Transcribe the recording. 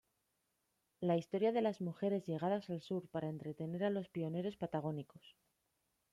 La historia de las mujeres llegadas al sur para entretener a los pioneros patagónicos.